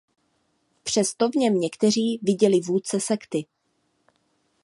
Přesto v něm někteří viděli vůdce sekty.